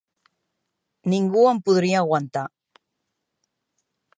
Ningú em podria aguantar.